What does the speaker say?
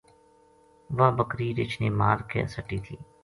واہ بکری رِچھ نے مار کے سٹی تھی